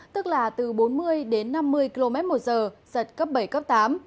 tức là từ bốn mươi đến năm mươi km một giờ giật cấp bảy cấp tám